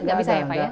nggak bisa ya pak ya